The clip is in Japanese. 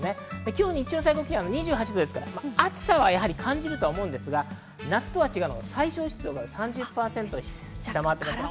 今日、日中の最高気温２８度ですから、暑さは感じると思うんですが、夏とは違う最小湿度が３０％下回っています。